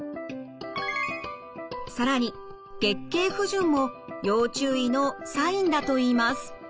更に月経不順も要注意のサインだといいます。